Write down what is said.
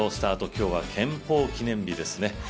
今日は憲法記念日ですね。